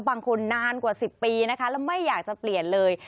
บางคนนานกว่า๑๐ปีนะคะแล้วไม่อยากจะเปลี่ยนเลย